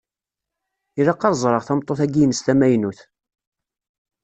Ilaq ad ẓreɣ tameṭṭut-agi-ines tamaynut.